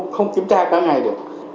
không kiểm tra cả ngày được